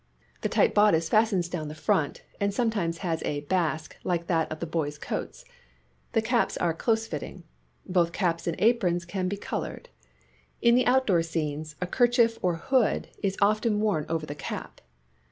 The tight bodice fastens down the front, and sometimes has a " basque " like that of the boys' coats. The caps are close fitting. Both caps and aprons can be coloured. In the outdoor scenes, a kerchief or hood is often worn over the cap.